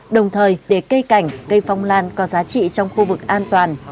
đồng thời để cây cảnh cây phong lan có giá trị trong khu vực an toàn